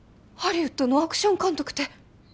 ハリウッドのアクション監督て！